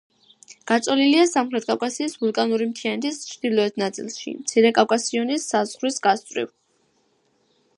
გაწოლილია სამხრეთ კავკასიის ვულკანური მთიანეთის ჩრდილოეთ ნაწილში, მცირე კავკასიონის საზღვრის გასწვრივ.